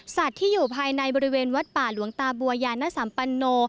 ที่อยู่ภายในบริเวณวัดป่าหลวงตาบัวยานสัมปันโน